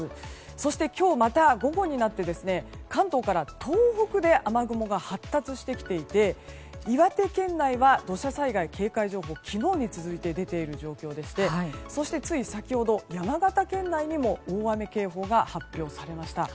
そして今日また午後になって関東から東北で雨雲が発達してきていて岩手県内は土砂災害警戒情報が昨日に続いて出ている状況でしてそしてつい先ほど、山形県内にも大雨警報が発表されました。